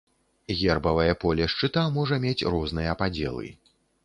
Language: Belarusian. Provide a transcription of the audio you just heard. Гербавае поле шчыта можа мець розныя падзелы.